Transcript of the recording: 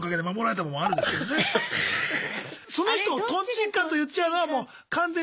いやその人をとんちんかんと言っちゃうのはもう完全にあれですね。